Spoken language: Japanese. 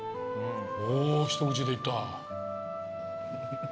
お一口でいった。